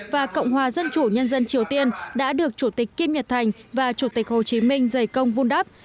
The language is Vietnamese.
và cộng hòa dân chủ nhân dân triều tiên đã được chủ tịch kim nhật thành và chủ tịch hồ chí minh dày công vun đắp